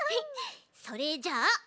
それじゃあたま